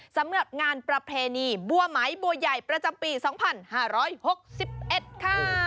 สำหรับงานประเพณีบัวไหมบัวใหญ่ประจำปี๒๕๖๑ค่ะ